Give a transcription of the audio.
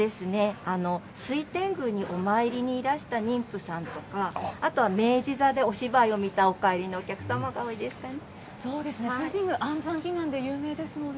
水天宮にお参りにいらした妊婦さんとか、あとは明治座でお芝居を見たお帰りのお客様が多いですかね。